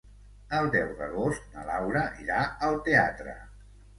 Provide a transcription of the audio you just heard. El deu d'agost na Laura irà al teatre.